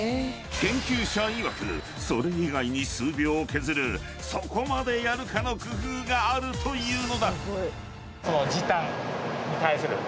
［研究者いわくそれ以外に数秒を削るそこまでやるかの工夫があるというのだ！］